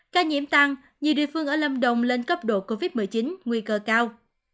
ca nhiễm tăng nhiều địa phương ở lâm đồng lên cấp độ covid một mươi chín nguy cơ cao